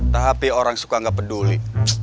tapi orang suka nggak peduli